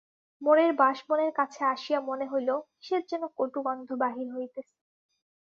মোড়ের বাঁশবনের কাছে আসিয়া মনে হইল কিসের যেন কটুগন্ধ বাহির হইতেছে।